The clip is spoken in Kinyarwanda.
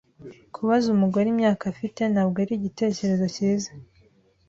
Kubaza umugore imyaka afite ntabwo ari igitekerezo cyiza.